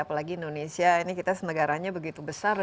apalagi indonesia ini kita negaranya begitu besar ya